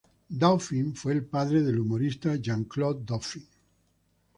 Dauphin fue el padre del humorista Jean-Claude Dauphin.